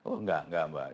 oh enggak enggak mbak